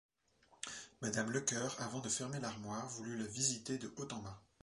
Madame Lecœur, avant de fermer l’armoire, voulut la visiter de haut en bas.